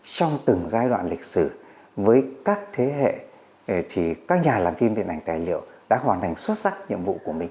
trong từng giai đoạn lịch sử với các thế hệ thì các nhà làm phim điện ảnh tài liệu đã hoàn thành xuất sắc